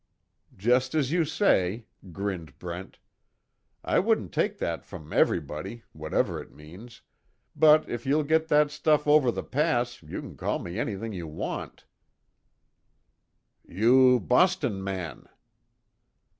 "Just as you say," grinned Brent, "I wouldn't take that from everybody, whatever it means, but if you'll get that stuff over the pass you can call me anything you want to." "You Boston man."